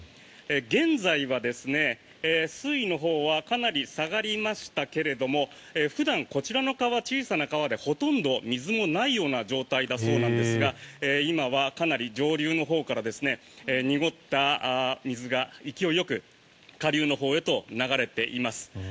現在は、水位のほうはかなり下がりましたけれども普段、こちらの川、小さな川でほとんど水もないような状態だそうなんですが今はかなり上流のほうから濁った水が勢いよく下流のほうへと流れています。